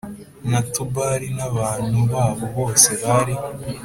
na Tubali b n abantu babo bose bari